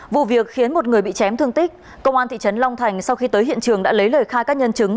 vụ việc khiến một người bị chém thương tích công an thị trấn long thành sau khi tới hiện trường đã lấy lời khai các nhân chứng